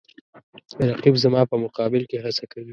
رقیب زما په مقابل کې هڅه کوي